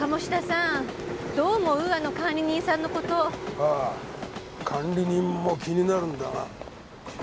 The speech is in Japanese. ああ管理人も気になるんだが。